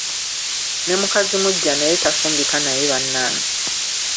Ne mukazi muggya naye tafumbika naye bannange!